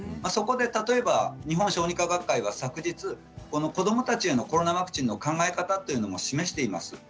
そこで例えば日本小児科学会は昨日子どもたちへのコロナワクチンの考え方というのを示しています。